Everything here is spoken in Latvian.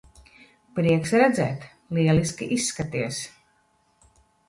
Prieks redzēt. Lieliski izskaties.